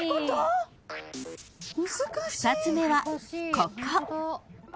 ［２つ目はここ］